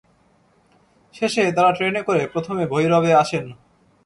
শেষে তাঁরা ট্রেনে করে প্রথমে ভৈরবে আসেন।